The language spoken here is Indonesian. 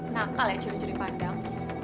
nakal ya curi curi pandang